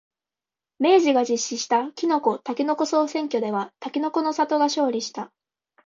明治が実施したきのこ、たけのこ総選挙ではたけのこの里が勝利した。